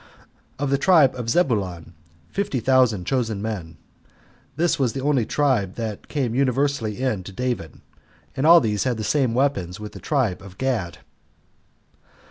Of the tribe of Zebulon fifty thousand chosen men. This was the only tribe that came universally in to David, and all these had the same weapons with the tribe of Gad.